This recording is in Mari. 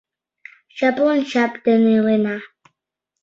Чаплан чап ден илена